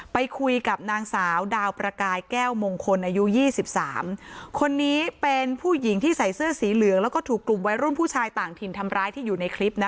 ไปคุยกับนางสาวดาวประกายแก้วมงคลอายุยี่สิบสามคนนี้เป็นผู้หญิงที่ใส่เสื้อสีเหลืองแล้วก็ถูกกลุ่มวัยรุ่นผู้ชายต่างถิ่นทำร้ายที่อยู่ในคลิปนะ